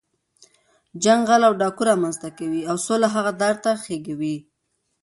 جنګ غل او ډاګو رامنځ ته کوي، او سوله هغه دار ته خېږوي.